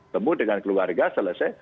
temu dengan keluarga selesai